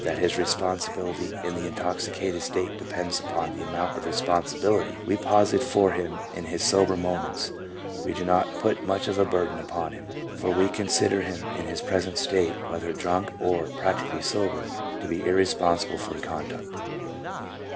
that his responsibility in the intoxicated state depends upon the amount of responsibility we posit for him in his sober moments, we do not put much of a burden upon him, for we consider him in his present state, whether drunk or (practically) sober, to be irrespon sible for conduct.